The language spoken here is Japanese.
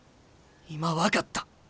今分かった。